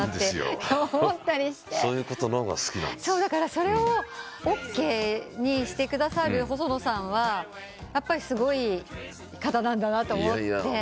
それをＯＫにしてくださる細野さんはやっぱりすごい方なんだなと思って。